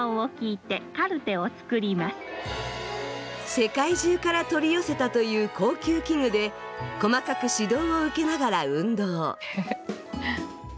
世界中から取り寄せたという高級器具で細かく指導を受けながら運動。